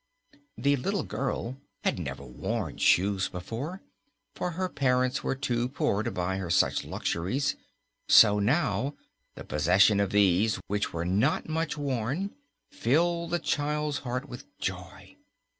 The little girl had never worn shoes before, for her parents were too poor to buy her such luxuries, so now the possession of these, which were not much worn, filled the child's heart with joy.